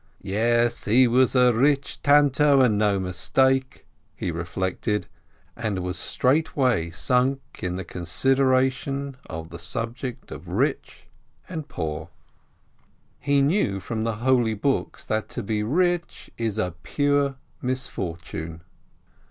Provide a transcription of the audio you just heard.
"Yes, he was a rich Tano and no mistake!" he reflected, and was straightway sunk in the consideration of the subject of rich and poor. He knew from the holy books that to be rich is a pure misfortune.